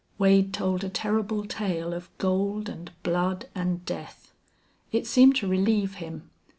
Wade told a terrible tale of gold and blood and death. It seemed to relieve him.